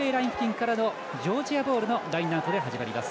ジョージアボールのラインアウトで始まります。